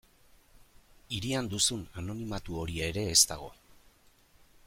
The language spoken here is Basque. Hirian duzun anonimatu hori ere ez dago.